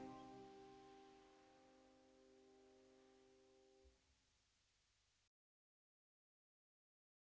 tapi dia juga bisa berani dan baik hati